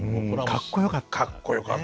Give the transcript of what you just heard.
かっこよかった。